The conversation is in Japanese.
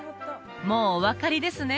もうお分かりですね？